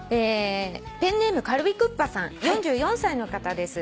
ペンネームカルビクッパさん４４歳の方です。